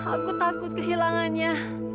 aku takut kehilangannya